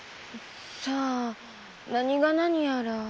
さぁ何が何やら。